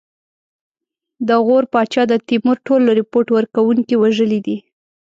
د غور پاچا د تیمور ټول رپوټ ورکوونکي وژلي دي.